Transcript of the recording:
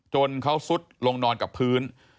จนเขาซุดลงนอนกับพื้น